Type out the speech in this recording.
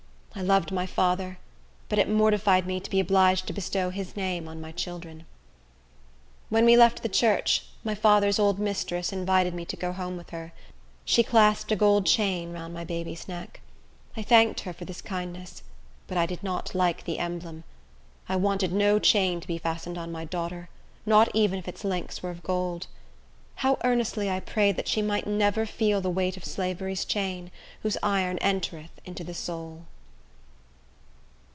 I loved my father; but it mortified me to be obliged to bestow his name on my children. When we left the church, my father's old mistress invited me to go home with her. She clasped a gold chain round my baby's neck. I thanked her for this kindness; but I did not like the emblem. I wanted no chain to be fastened on my daughter, not even if its links were of gold. How earnestly I prayed that she might never feel the weight of slavery's chain, whose iron entereth into the soul!